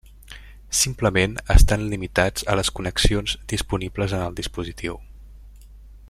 Simplement estan limitats a les connexions disponibles en el dispositiu.